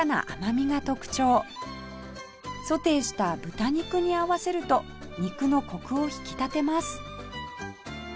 ソテーした豚肉に合わせると肉のコクを引き立てます